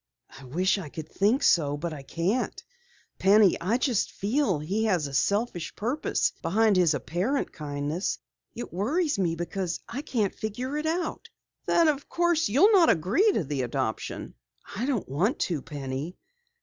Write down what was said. "I wish I could think so, but I can't. Penny, I just feel that he has a selfish purpose behind his apparent kindness. It worries me because I can't figure it out." "Then of course you'll not agree to the adoption?" "I don't want to, Penny.